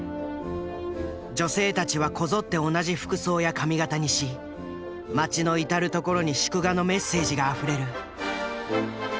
女性たちはこぞって同じ服装や髪型にし街の至る所に祝賀のメッセージがあふれる。